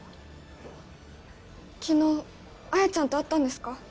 昨日文ちゃんと会ったんですか？